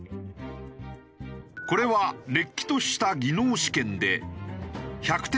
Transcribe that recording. これはれっきとした技能試験で１００点